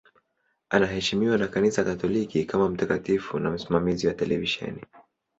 Anaheshimiwa na Kanisa Katoliki kama mtakatifu na msimamizi wa televisheni.